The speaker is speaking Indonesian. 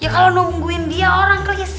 ya kalau nungguin dia orang kris